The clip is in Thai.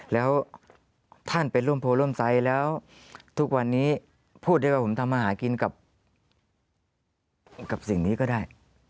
แล้วท่านไปร่วมโพรร่วมไซส์แล้วทุกวันนี้พูดได้ว่าผมทำมาหากินกับสิ่งนี้ก็ได้